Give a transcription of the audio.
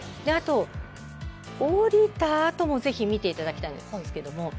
あと下りたあともぜひ見ていただきたいんですけども。